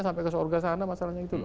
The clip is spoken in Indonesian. sampai ke surga sana masalahnya itu